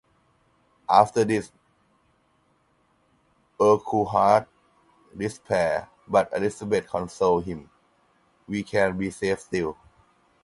After this, Urquhart despairs, but Elizabeth consoles him: We can be safe still!